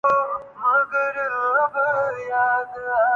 گرہ کشا ہے نہ رازیؔ نہ صاحب کشافؔ